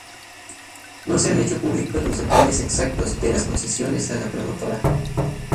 No se han hecho públicos los detalles exactos de las concesiones a la promotora.